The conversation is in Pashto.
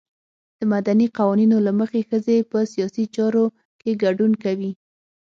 د مدني قوانینو له مخې ښځې په سیاسي چارو کې ګډون کوي.